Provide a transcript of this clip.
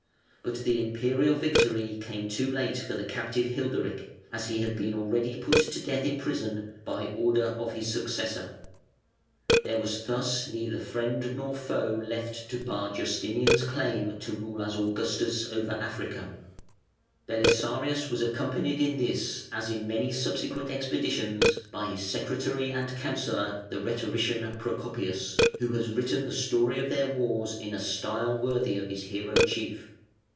But the Imperial victory came too late for the captive Hilderic, as he had been already put to death in prison by order of his successor. There was thus neither friend nor foe left to bar Justinian's claim to rule as Augustus over Africa. [Footnote 141: Ad Decimum.] Belisarius was accompanied in this, as in many subsequent expeditions, by his secretary and counsellor, the rhetorician Procopius, who has written the story of their wars in a style worthy of his hero chief.